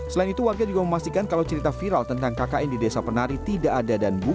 selain itu warga juga memastikan kalau cerita viral tentang kkn di desa penari tidak ada dan bukan